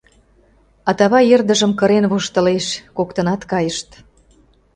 Атавай эрдыжым кырен воштылеш: «Коктынат кайышт.